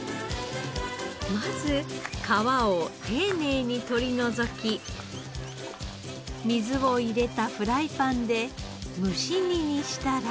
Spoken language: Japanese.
まず皮を丁寧に取り除き水を入れたフライパンで蒸し煮にしたら。